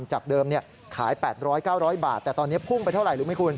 จากเดิมขาย๘๐๐๙๐๐บาทแต่ตอนนี้พุ่งไปเท่าไหร่รู้ไหมคุณ